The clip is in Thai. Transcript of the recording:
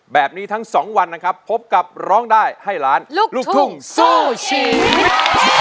แบบนี้ทั้งสองวันนะครับพบกับร้องได้ให้ล้านลูกทุ่งสู้ชีวิต